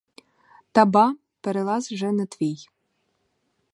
Та ба — перелаз же не твій.